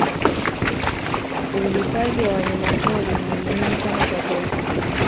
uhifadhi wa wanyamapori ni muhimu sana kwa taifa